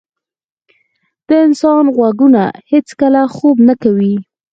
د انسان غوږونه هیڅکله خوب نه کوي.